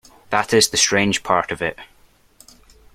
That is the strange part of it.